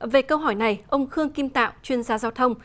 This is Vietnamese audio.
về câu hỏi này ông khương kim tạo chuyên gia giao thông